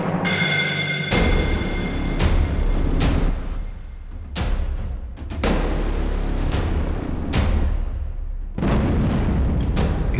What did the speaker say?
sampai jumpa lagi